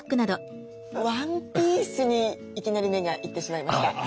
ワンピースにいきなり目が行ってしまいました。